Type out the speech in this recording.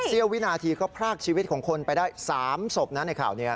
เสียววินาทีรับภภาคชีวิตคนเตอร์ไซค์ไปได้๓สมะในข่าวนี้